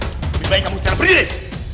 lebih baik kamu sekarang pergi dari sini